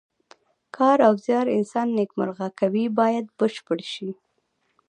کار او زیار انسان نیکمرغه کوي باید بشپړ شي.